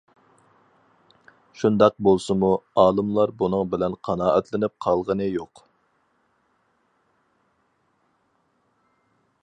شۇنداق بولسىمۇ، ئالىملار بۇنىڭ بىلەن قانائەتلىنىپ قالغىنى يوق.